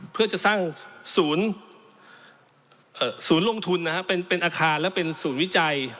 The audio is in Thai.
เพื่อจะสร้างศูนย์ศูนย์ลงทุนเป็นอาคารและเป็นศูนย์วิจัย